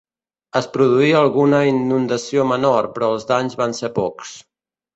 Es produí alguna inundació menor, però els danys van ser pocs.